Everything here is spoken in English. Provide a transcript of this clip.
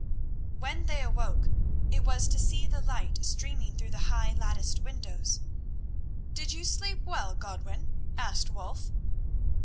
When they awoke it was to see the light streaming through the high, latticed windows. "Did you sleep well, Godwin?" asked Wulf.